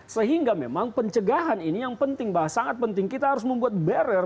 sehingga memang pencegahan ini yang penting bahwa sangat penting kita harus membuat barrier